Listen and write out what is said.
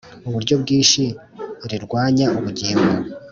uburyo bwinshi rirwanya ubugingo